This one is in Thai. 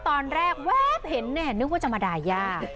ตอนแรกแวบเห็นนึกว่าจะมาดาย่า